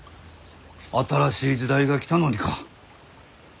新しい時代が来たのにか？